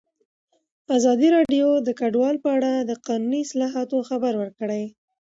ازادي راډیو د کډوال په اړه د قانوني اصلاحاتو خبر ورکړی.